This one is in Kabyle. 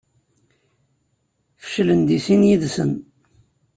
Feclen deg sin yid-sen.